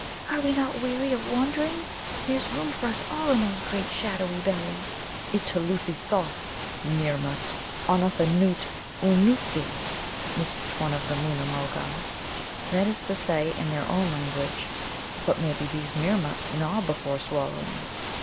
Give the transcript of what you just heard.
"Are we not weary of wandering? There's room for us all in those great shadowy bellies." "Itthiluthi thoth 'Meermut' onnoth anoot oonoothi," lisped one of the Moona mulgars that is to say, in their own language, "But maybe these Meermuts gnaw before swallowing."